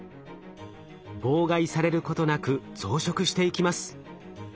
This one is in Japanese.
妨害されることなく増殖していきます。